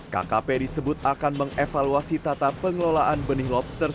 kkp disebut akan mengevaluasi tata pengelolaan benih lobster